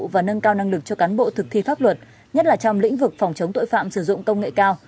và nâng cao năng lực cho cán bộ thực thi pháp luật nhất là trong lĩnh vực phòng chống tội phạm sử dụng công nghệ cao